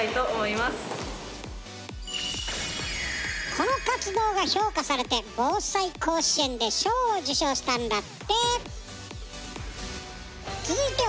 この活動が評価されて「ぼうさい甲子園」で賞を受賞したんだって。